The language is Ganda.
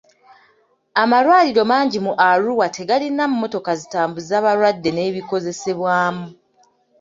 Amalwaliro mangi mu Arua tegalina mmotoka zitambuza balwadde n'ebikozesebwamu.